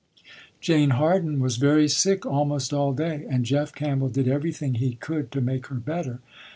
Jane Harden was very sick almost all day and Jeff Campbell did everything he could to make her better.